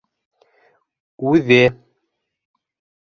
Үҙе!